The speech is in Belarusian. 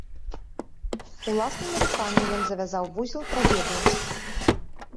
Уласнымі рукамі ён завязаў вузел трагедыі.